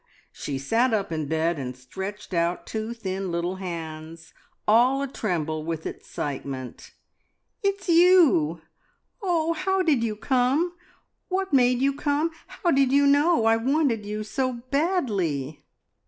She sat up in bed and stretched out two thin little hands, all a tremble with excitement. "It's you! Oh, how did you come? What made you come? How did you know I wanted you so badly?"